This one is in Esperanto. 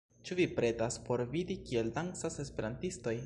Ĉu vi pretas por vidi kiel dancas esperantistoj